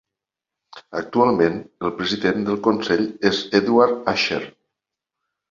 Actualment, el president del consell és Edward Asscher.